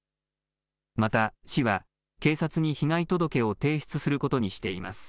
また市は警察に被害届を提出することにしています。